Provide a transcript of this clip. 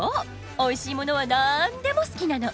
おいしいものはなんでも好きなの。